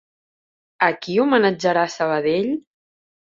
A qui homenatjarà Sabadell?